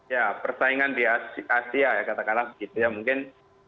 ya persaingan di asia ya katakanlah begitu ya mungkin